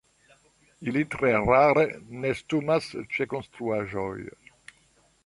Ili tre rare nestumas ĉe konstruaĵoj.